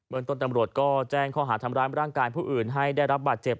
เมืองต้นตำรวจก็แจ้งข้อหาทำร้ายร่างกายผู้อื่นให้ได้รับบาดเจ็บ